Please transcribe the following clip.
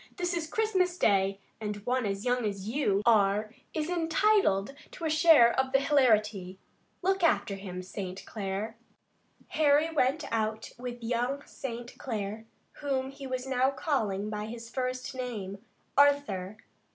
This is Christmas Day, and one as young as you are is entitled to a share of the hilarity. Look after him, St. Clair." Harry went out with young St. Clair, whom he was now calling by his first name, Arthur.